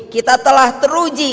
kita telah teruji